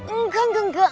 enggak enggak enggak